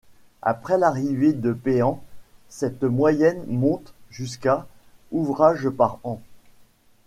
Après l'arrivée de Péhant cette moyenne monte jusqu'à - ouvrages par an.